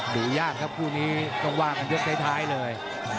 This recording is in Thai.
ดูยากครับคู่นี้ต้องวางบันทึ่งสายท้ายเลย